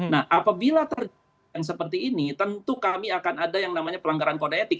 nah apabila terjadi yang seperti ini tentu kami akan ada yang namanya pelanggaran kode etik